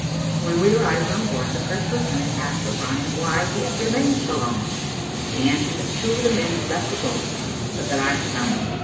When we arrived on board, the first lieutenant asked O'Brien why he had remained so long. He answered that two of the men had left the boat, but that I had found them.